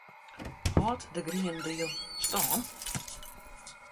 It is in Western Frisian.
Hâldt de Green Deal stân?